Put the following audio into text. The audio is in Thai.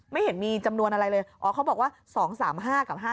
ไม่เห็นมีจำนวนอะไรเลยอ๋อเขาบอกว่า๒๓๕กับ๕๗